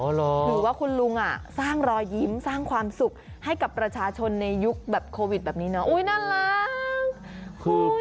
หรือว่าคุณลุงสร้างรอยยิ้มสร้างความสุขให้กับประชาชนในยุคแบบโควิดแบบนี้เนาะน่ารัก